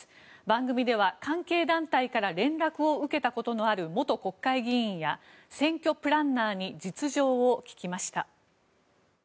番組では関係団体から連絡を受けたことのある元国会議員や選挙プランナーに実情を聞きました。